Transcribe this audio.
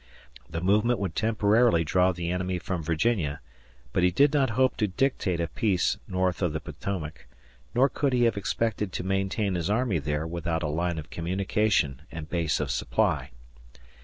The movement would temporarily draw the enemy from Virginia, but he did not hope to dictate a peace north of the Potomac, nor could he have expected to maintain his army there without a line of communication and base of supply.